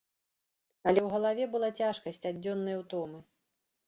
Але ў галаве была цяжкасць ад дзённай утомы.